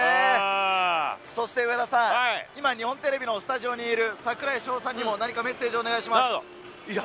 そして上田さん、今、日本テレビのスタジオにいる櫻井翔さんにも何かメッセージをお願いします。